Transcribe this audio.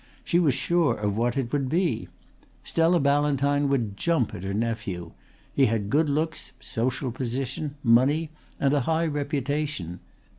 She was sure of what it would be. Stella Ballantyne would jump at her nephew. He had good looks, social position, money and a high reputation.